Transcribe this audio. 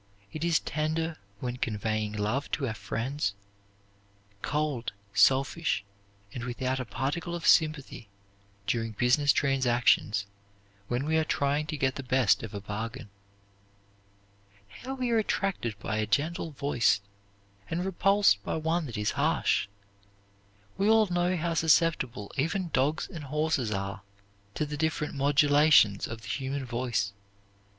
It is tender when conveying love to our friends; cold, selfish, and without a particle of sympathy during business transactions when we are trying to get the best of a bargain. How we are attracted by a gentle voice, and repulsed by one that is harsh! We all know how susceptible even dogs and horses are to the different modulations of the human voice.